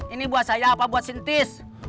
ini buat saya apa buat sintis